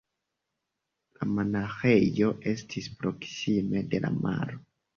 La monaĥejo estis proksime de la maro.